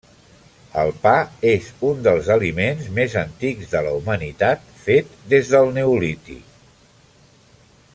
El pa és un dels aliments més antics de la humanitat fet des del neolític.